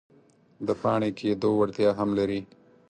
د پاڼې کیدو وړتیا هم لري.